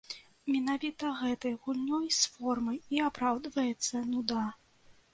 Менавіта гэтай гульнёй з формай і апраўдваецца нуда.